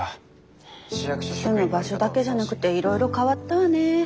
住む場所だけじゃなくていろいろ変わったわね。